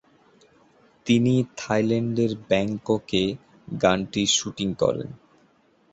তিনি থাইল্যান্ডের ব্যাংককে গানটির শুটিং করেন।